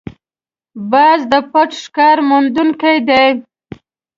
باز د پټ ښکار موندونکی دی